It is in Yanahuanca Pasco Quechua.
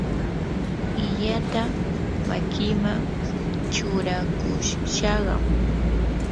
illata makiman churakushaqam.